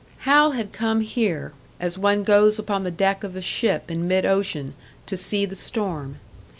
Hal had come here, as one goes upon the deck of a ship in mid ocean, to see the storm.